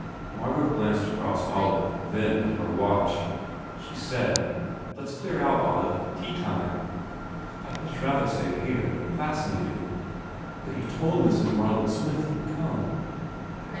Margot glanced across Olive, then at her watch. 215 THE FAIR REWARDS She said, "Let s clear out, Olive. Teatime." "I d much rather stay here. Fascinating." "But you told Mrs. Marlett Smith you d come."